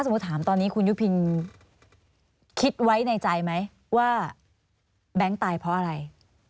แบงก์ตายไหมว่าแบงก์ตายเพราะอะไร